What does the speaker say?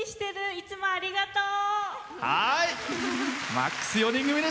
いつもありがとう！